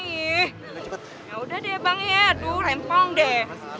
ya udah deh bang ya aduh rempong deh